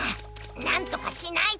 なんとかしないと！